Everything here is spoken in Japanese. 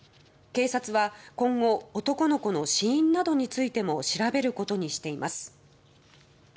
警察は今後男の子の死因などについても調べることにしています。